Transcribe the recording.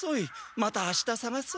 また明日さがそう。